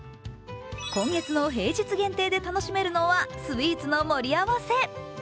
今月の平日限定で楽しめるのはスイーツの盛り合わせ。